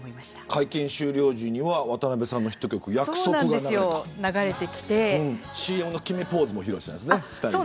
会見終了時には渡辺さんのヒット曲約束が流れた、ＣＭの決めポーズも披露したんですね。